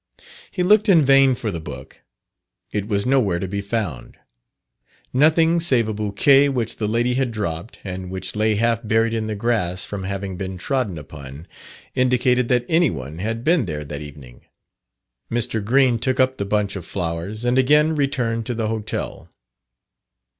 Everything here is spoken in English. He looked in vain for the book; it was no where to be found: nothing save a bouquet which the lady had dropped, and which lay half buried in the grass from having been trodden upon, indicated that any one had been there that evening. Mr. Green took up the bunch of flowers, and again returned to the hotel.